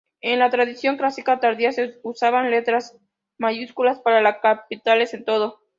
En la tradición clásica tardía se usaban letras mayúsculas para las capitales en todo.